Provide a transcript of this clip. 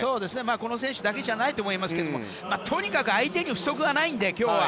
この選手だけじゃないと思いますがとにかく相手に不足がないので今日は。